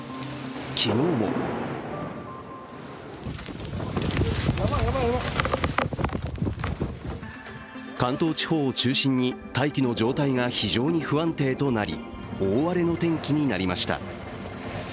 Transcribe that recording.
昨日も関東地方を中心に大気の状態が非常に不安定となり大荒れの天気になりました。